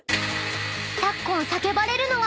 ［昨今叫ばれるのが］